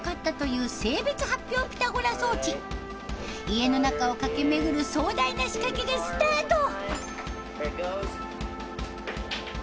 家の中を駆け巡る壮大な仕掛けがスタート。